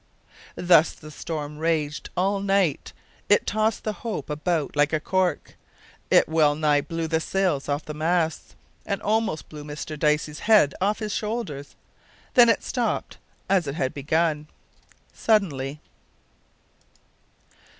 Thus the storm raged all that night. It tossed the Hope about like a cork; it well nigh blew the sails off the masts, and almost blew Mr Dicey's head off his shoulders! then it stopped as it had begun suddenly.